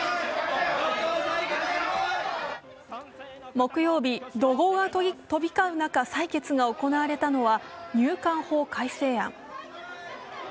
木曜日、怒号が飛び交う中採決が行われたのは入管法改正案。